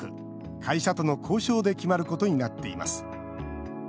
会社との交渉で決まることになっています。